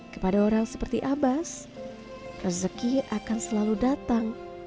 kepada orang seperti abbas rezeki akan selalu datang